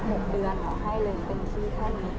หมอให้เลยเป็นพี่แค่นี้